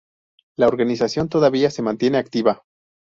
La organización todavía se mantiene activa.